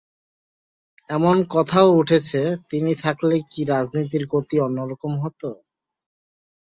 এমন কথাও উঠেছে, তিনি থাকলে কি রাজনীতির গতি অন্য রকম হত?